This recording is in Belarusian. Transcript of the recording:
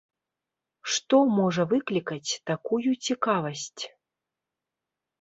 Што можа выклікаць такую цікавасць?